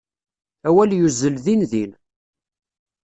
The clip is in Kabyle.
Awal yuzzel din din.